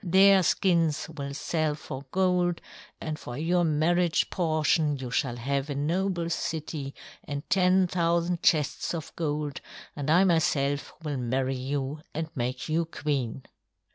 Their skins will sell for gold, and for your marriage portion you shall have a noble city and ten thousand chests of gold, and I myself will marry you and make you queen."